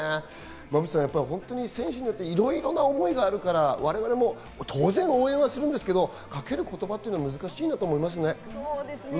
馬淵さん、選手によっていろいろな思いがあるから、我々も当然応援はするんですけど、かける言葉っていうのは難しいと思いますね。